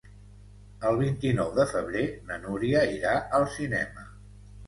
El vint-i-nou de febrer na Núria irà al cinema.